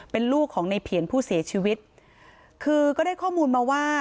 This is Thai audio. เป็นลูกของในเพียรผู้เสียชีวิตคือก็ได้ข้อมูลมาว่า